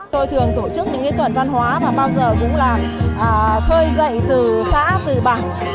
tôi thường tổ chức những tuần văn hóa mà bao giờ cũng là khơi dậy từ xã từ bảng